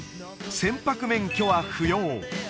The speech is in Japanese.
船舶免許は不要！